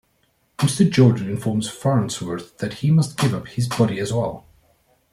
Mr. Jordan informs Farnsworth that he must give up this body as well.